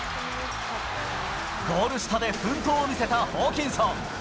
ゴール下で奮闘を見せたホーキンソン。